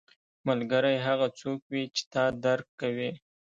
ملګری هغه څوک وي چې تا درک کوي